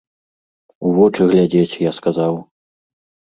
У вочы глядзець, я сказаў.